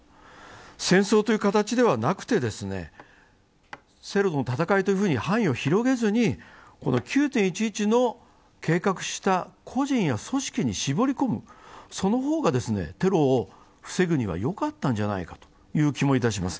戦争という形ではなくて、テロとの戦いというふうに範囲を広げずに９・１１を計画した個人や組織に絞り込むその方がテロを防ぐにはよかったんじゃないかという気もします。